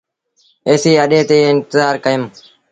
ايسيٚ ري اَڏي تي انتزآر ڪيٚم۔